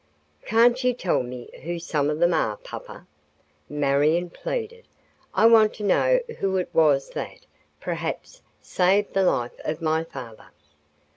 "Can't you tell me who some of them are, papa?" Marion pleaded. "I want to know who it was that, perhaps, saved the life of my father."